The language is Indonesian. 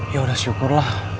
ya udah syukurlah